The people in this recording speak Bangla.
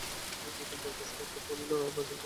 দুই-তিনবার প্রশ্নের পর উত্তর করিল, কাকীর কাছে যাইব।